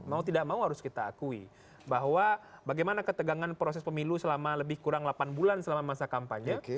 mau tidak mau harus kita akui bahwa bagaimana ketegangan proses pemilu selama lebih kurang delapan bulan selama masa kampanye